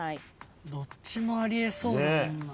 どっちもあり得そうだもんな。